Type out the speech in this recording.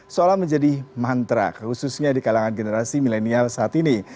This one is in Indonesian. seolah menjadi mantra khususnya di kalangan generasi milenial saat ini